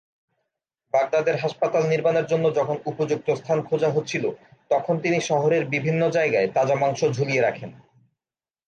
বাগদাদের হাসপাতাল নির্মানের জন্য যখন উপযুক্ত স্থান খোঁজা হচ্ছিল তখন তিনি শহরের বিভিন্ন জায়গায় তাজা মাংস ঝুলিয়ে রাখেন।